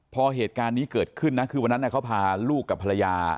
พอเหตุการณ์นี้เกิดขึ้นนะคือวันนั้นเขาพาลูกกับภรรยา